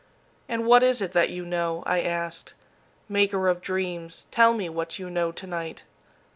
"And what is it that you know?" I asked. "Maker of dreams, tell me what you know to night."